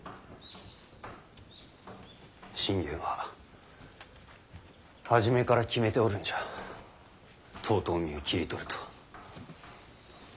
信玄は初めから決めておるんじゃ遠江を切り取ると。